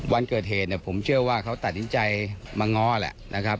วันเกิดเหตุผมเชื่อว่าเขาตัดอินใจมาง้อแหละ